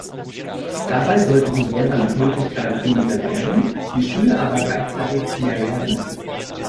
Dabei sollten die Lehrer nach Möglichkeit weniger lehren, die Schüler aber gleichzeitig mehr lernen.